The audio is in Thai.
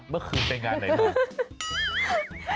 เมื่อคืนไปงานไหนมา